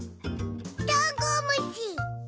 ダンゴムシ！